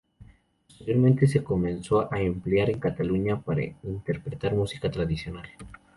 Posteriormente se comenzó a emplear en Cataluña para interpretar música tradicional.